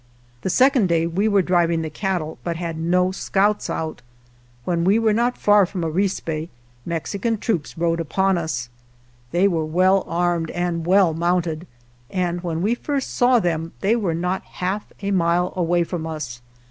The second day we were driving the cattle, but had no scouts out. When we were not far from Arispe, Mexican troops rode upon us. They were well armed and well mounted, and when we first saw them they were not half a mile away from us.